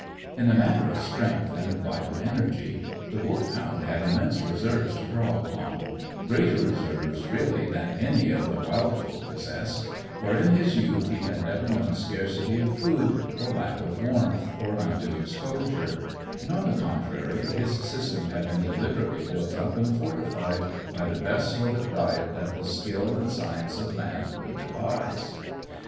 In the matter of strength and vital energy the Wolfhound had immense reserves to draw upon greater reserves, really, than any of the wild folk possessed; for, in his youth, he had never known scarcity of food, or lack of warmth, or undue exposure; and, on the contrary, his system had been deliberately built up and fortified by the best sort of diet that the skill and science of man could devise.